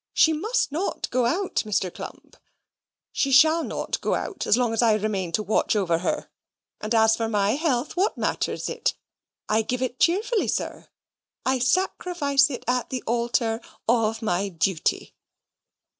She must not go out, Mr. Clump. She shall not go out as long as I remain to watch over her; And as for my health, what matters it? I give it cheerfully, sir. I sacrifice it at the altar of my duty."